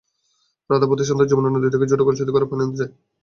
রাধা প্রতি সন্ধ্যায় যমুনা নদী থেকে ছোট কলসিতে করে পানি আনতে যায়।